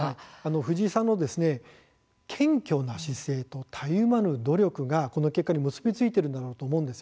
藤井さんの謙虚な姿勢とたゆまぬ努力が、この結果に結び付いているんだと思います。